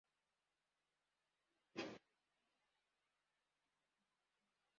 umuhungu muto wicaye mu giti akina ninjangwe